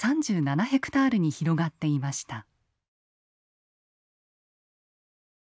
ヘクタールに広がっていました。